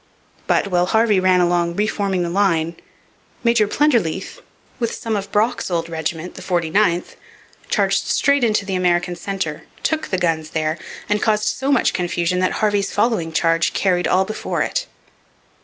But, while Harvey ran along re forming the line, Major Plenderleath, with some of Brock's old regiment, the 49th, charged straight into the American centre, took the guns there, and caused so much confusion that Harvey's following charge carried all before it.